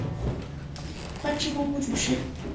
官至工部主事。